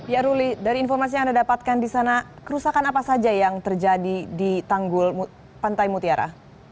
ya ruli dari informasi yang anda dapatkan di sana kerusakan apa saja yang terjadi di tanggul pantai mutiara